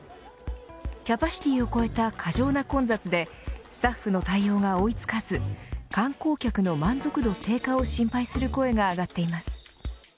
キャパシティーを超えた過剰な混雑でスタッフの対応が追い付かず観光客の満足度低下を心配する声が上がっています。